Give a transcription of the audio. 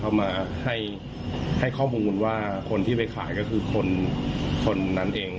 เข้ามาให้ข้อมูลว่าคนที่ไปขายก็คือคนนั้นเอง